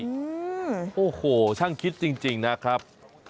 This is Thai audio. อบสมุนไพรโอ้โหช่างคิดจริงนะครับ